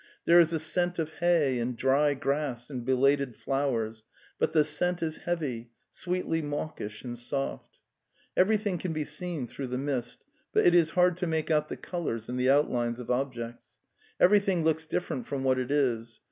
... There is a scent of hay and dry grass and belated flowers, but the scent is heavy, sweetly mawkish and soft. Everything can be seen through the mist, but it is hard to make out the colours and the outlines of objects. Everything looks different from what it is.